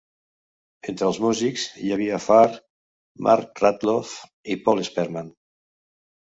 Entre els músics hi havia Farr, Mark Radloff i Paul Sperman.